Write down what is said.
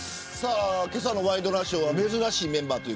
けさのワイドナショーは珍しいメンバーです。